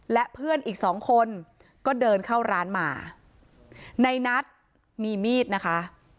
และเพื่อนอีกสองคนก็เดินเข้าร้านมาในนัทมีมีดนะคะ